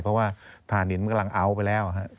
เพราะว่าฐานหินมันกำลังเอาไปแล้ว